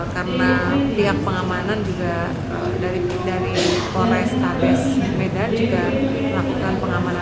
karena pihak pengamanan juga dari maurice thales medan juga melakukan pengamanan